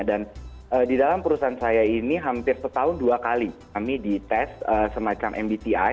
dan di dalam perusahaan saya ini hampir setahun dua kali kami di tes semacam mbti